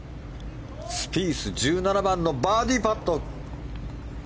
スピース１７番のバーディーパット。